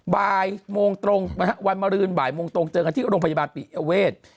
บ่ายโมงตรงนะฮะวันมารืนบ่ายโมงตรงเจอกันที่โรงพยาบาลปิยเวท